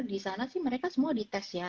di sana sih mereka semua di tes ya